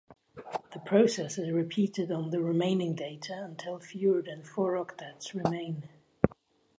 The process is repeated on the remaining data until fewer than four octets remain.